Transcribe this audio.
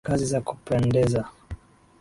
Kazi za kupendeza.